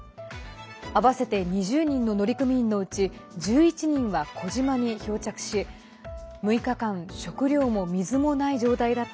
合わせて２０人の乗組員のうち１１人は小島に漂着し６日間、食料も水もない状態だっ